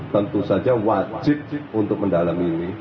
tentu saja wajib untuk mendalami ini